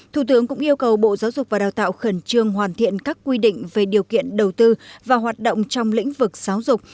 thủ tướng cũng yêu cầu bộ giáo dục và đào tạo khẩn trương hoàn thiện các quy định về điều kiện đầu tư và hoạt động trong lĩnh vực giáo dục